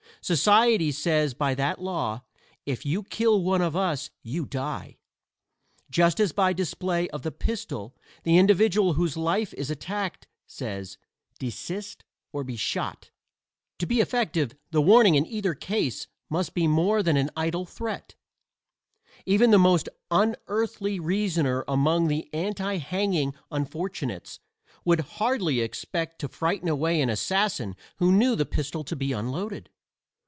Society says by that law: "If you kill one of us you die," just as by display of the pistol the individual whose life is attacked says: "Desist or be shot." To be effective the warning in either case must be more than an idle threat. Even the most unearthly reasoner among the anti hanging unfortunates would hardly expect to frighten away an assassin who knew the pistol to be unloaded.